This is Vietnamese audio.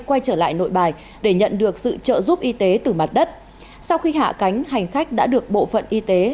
quay trở lại nội bài để nhận được sự trợ giúp y tế từ mặt đất sau khi hạ cánh hành khách đã được bộ phận y tế